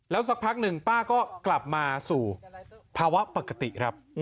สักพักหนึ่งป้าก็กลับมาสู่ภาวะปกติครับ